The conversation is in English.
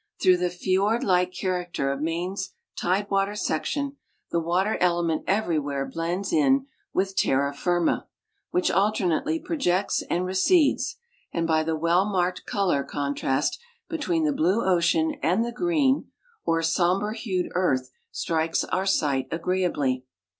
Through the fiord like character of Maine's tidewater section the water element everywhere blends in with terra Jirma, which alternately projects and recedes, and by the well marked color contrast be tween the blue ocean and the green or somber hued earth strikes our sight agreeably.